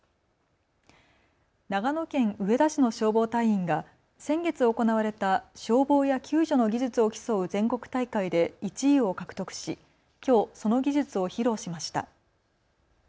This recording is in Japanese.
長野県上田市の消防隊員が先月行われた消防や救助の技術を競う全国大会で１位を獲得しきょう、その技術を披露しました。